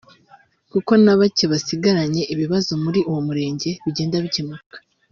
kuko na bake basigaranye ibibazo muri uwo murenge bigenda bikemuka